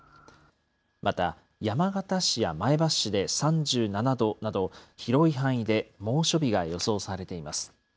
また、山形市や前橋市で３７度など、広い範囲で猛暑日が予想されています。